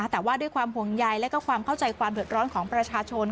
แต่ว่าด้วยความห่วงใยและความเข้าใจความเดือดร้อนของประชาชน